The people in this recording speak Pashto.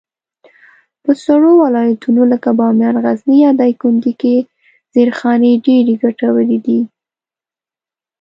په سړو ولایتونو لکه بامیان، غزني، یا دایکنډي کي زېرخانې ډېرې ګټورې دي.